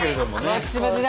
バチバチだ。